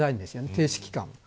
停止期間を。